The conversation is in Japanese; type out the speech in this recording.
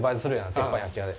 鉄板焼屋で。